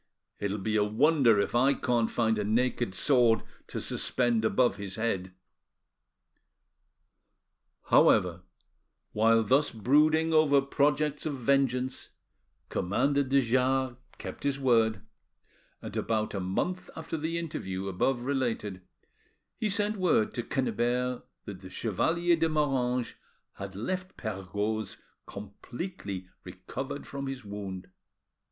It'll be a wonder if I can't find a naked sword to suspend above his head." However, while thus brooding over projects of vengeance, Commander de Jars kept his word, and about a month after the interview above related he sent word to Quennebert that the Chevalier de Moranges had left Perregaud's completely recovered from his wound.